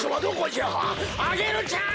アゲルちゃん